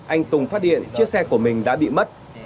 anh tùng phát điện chiếc xe của mình đã bị mất